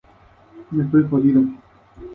Cientos de hogares fueron dañados por la tormenta.